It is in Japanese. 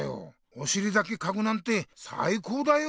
おしりだけかくなんてさいこうだよ。